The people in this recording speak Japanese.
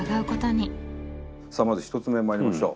さあまず１つ目まいりましょう。